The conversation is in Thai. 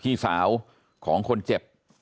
พี่สาวของคนเจ็บ